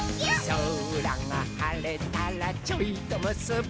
「そらがはれたらちょいとむすび」